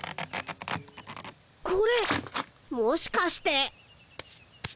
これもしかして。